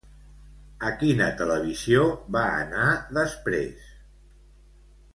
A quina televisió va anar després?